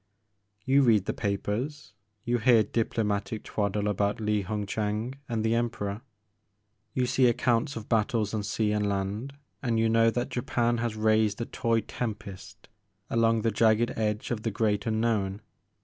You read the papers, you hear diplomatic twaddle about I^i Hung Chang and the Emperor, you see accounts of battles on sea and land, and you know that Japan has raised a toy tempest along the jagged edge of the great unknown.